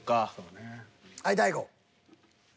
はい大悟。